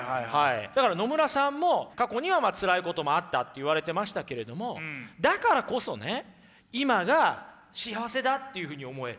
だから野村さんも過去にはつらいこともあったって言われてましたけれどもだからこそね今が幸せだっていうふうに思える。